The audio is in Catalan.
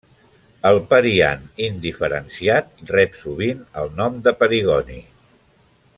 El periant indiferenciat rep sovint el nom de perigoni.